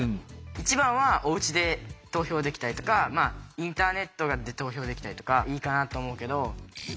一番はおうちで投票できたりとかインターネットで投票できたりとかいいかなと思うけど。